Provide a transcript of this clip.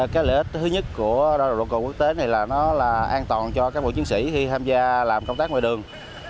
cái lợi ích thứ nhất của nồng độ cồn quốc tế này là nó là an toàn cho các bộ chiến sĩ khi tham gia làm công tác ngoài đường